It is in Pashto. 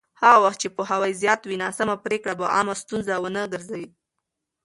هغه وخت چې پوهاوی زیات وي، ناسمه پرېکړه به عامه ستونزه ونه ګرځي.